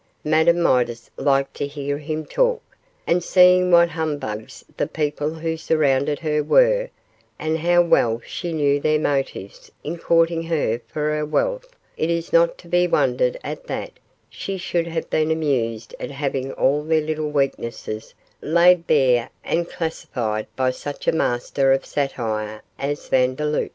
Madame Midas liked to hear him talk, and seeing what humbugs the people who surrounded her were, and how well she knew their motives in courting her for her wealth, it is not to be wondered at that she should have been amused at having all their little weaknesses laid bare and classified by such a master of satire as Vandeloup.